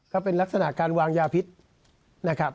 ก็เป็นลักษณะการวางยาพิษนะครับ